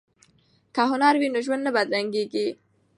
که هنر وي نو ژوند نه بدرنګیږي.